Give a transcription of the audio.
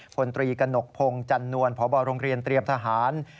พลตรีกระหนกพงศ์จันนวลพบโรงเรียนเตรียมทหาร